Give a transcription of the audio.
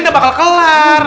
udah bakal kelar